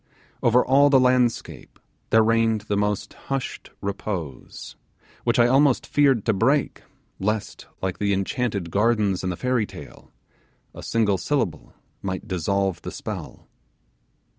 Over all the landscape there reigned the most hushed repose, which I almost feared to break, lest, like the enchanted gardens in the fairy tale, a single syllable might dissolve the spell.